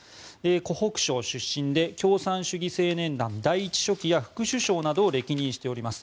湖北省出身で共産党青年団第１書記や広東省書記などを歴任しています。